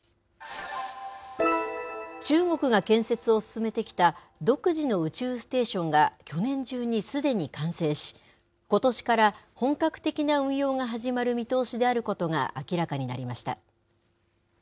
中国が建設を進めてきた独自の宇宙ステーションが去年中にすでに完成し、ことしから本格的な運用が始まる見通しであることが明らかになりました。